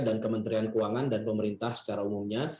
dan kementerian keuangan dan pemerintah secara umumnya